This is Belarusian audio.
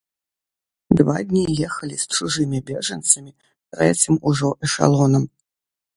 Два дні ехалі з чужымі бежанцамі трэцім ужо эшалонам.